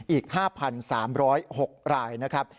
อีก๕๓๐๖รายนะครับ